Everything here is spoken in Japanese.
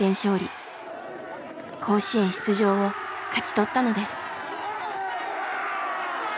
甲子園出場を勝ち取ったのです。